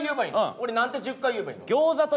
俺何て１０回言えばいいの？